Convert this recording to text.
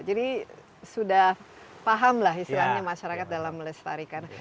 jadi sudah paham lah istilahnya masyarakat dalam melestarikan